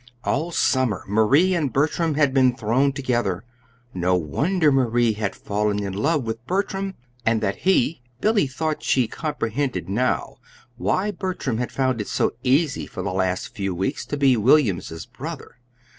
All summer Marie and Bertram had been thrown together. No wonder Marie had fallen in love with Bertram, and that he Billy thought she comprehended now why Bertram had found it so easy for the last few weeks to be William's brother.